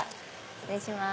失礼します。